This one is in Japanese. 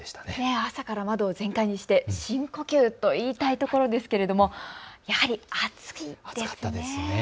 朝から窓を全開にして深呼吸といいたいところですけれどもやはり暑かったですね。